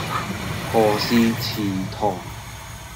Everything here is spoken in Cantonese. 何氏祠堂